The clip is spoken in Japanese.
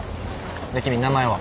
で君名前は？